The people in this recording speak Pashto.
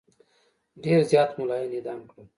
ډېر زیات مُلایان اعدام کړل.